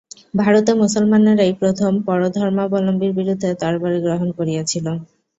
ভারতে মুসলমানেরাই প্রথমে পরধর্মাবলম্বীর বিরুদ্ধে তরবারি গ্রহণ করিয়াছিল।